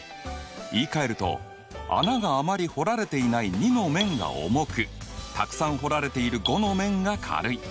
言いかえると穴があまり掘られていない２の面が重くたくさん掘られている５の面が軽い。